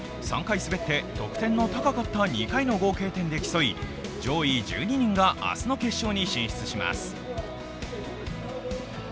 ３回滑って得点の高かった２回の合計点で競い上位１２人が明日の決勝に進出します。